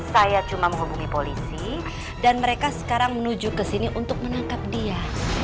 saya cuma menghubungi polisi dan mereka sekarang menuju ke sini untuk menangkap dia